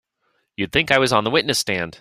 You'd think I was on the witness stand!